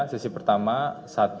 sesi pertama satu